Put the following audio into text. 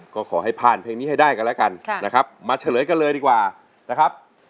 ก็ขอให้ผ่านเพลงนี้ให้ได้กันแล้วกันนะครับมาเฉลยกันเลยดีกว่านะครับ